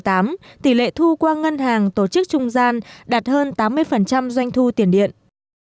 đến tháng bốn năm hai nghìn một mươi tám tỷ lệ thu qua ngân hàng tỷ lệ thu qua ngân hàng tỷ lệ thu qua ngân hàng tỷ lệ thu qua ngân hàng